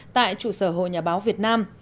tại trụ sở hội nhà báo việt nam